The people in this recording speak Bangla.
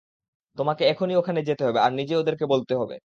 তোমাকে এখনই ওখানে যেতে হবে আর নিজে ওদেরকে বলতে হবে!